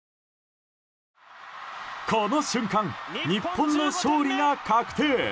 この瞬間、日本の勝利が確定。